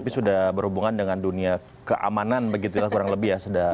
tapi sudah berhubungan dengan dunia keamanan begitu ya kurang lebih ya